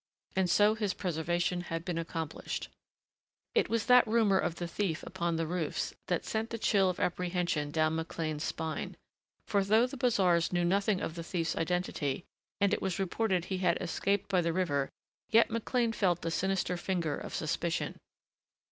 And so his preservation had been accomplished. It was that rumor of the thief upon the roofs which sent the chill of apprehension down McLean's spine. For though the bazaars knew nothing of the thief's identity and it was reported he had escaped by the river yet McLean felt the sinister finger of suspicion.